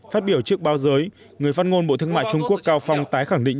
phát biểu trước báo giới người phát ngôn bộ thương mại trung quốc cao phong tái khẳng định